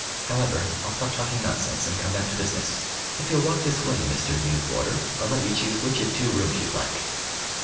"However, I'll stop talking nonsense, and come down to business. If you'll walk this way, Mr. New Boarder, I'll let you choose which of two rooms you'd like."